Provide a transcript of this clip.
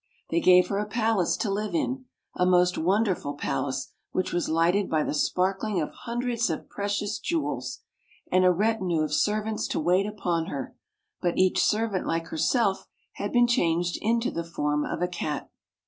They gave her a palace to live in — a most wonderful palace which was hghted by the sparkling of hundreds of precious jew els — and a retinue of servants to wait upon her, but each servant, like herself, had been changed into the form of a cat.